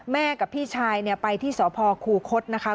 แม่กับพี่ชายไปที่สอบที่คุณฆภกฤษ